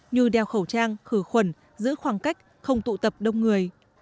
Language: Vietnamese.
như đeo khẩu trang khử khuẩn giữ khoảng cách không tụ tập đông người